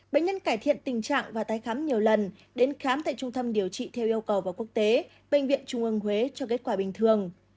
bệnh nhân cải thiện tình trạng và tái khám nhiều lần đến khám tại trung tâm điều trị theo yêu cầu và quốc tế bệnh viện trung ương huế cho kết quả bình thường